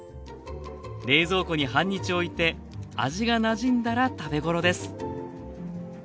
冷蔵庫に半日おいて味がなじんだら食べ頃です